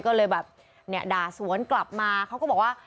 ก็เลยแบบเนี่ยด่าสวนกลับมาเขาก็บอกว่า